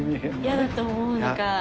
「や」だと思うのか。